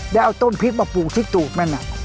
แล้วเอาต้นพริกมาปลูกที่ตูบมัน